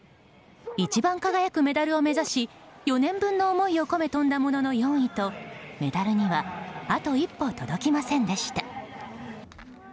一番輝くメダルを目指し４年分の思いを込め飛んだものの４位とメダルにはあと一歩届きませんでした。